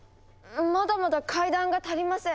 まだまだ階段が足りません。